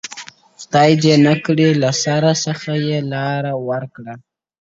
• خدای دي نه کړي له سړي څخه لار ورکه -